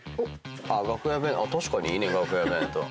楽屋確かにいいね楽屋弁当。